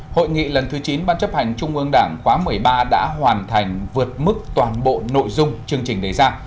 hội nghị lần thứ chín ban chấp hành trung ương đảng khóa một mươi ba đã hoàn thành vượt mức toàn bộ nội dung chương trình đề ra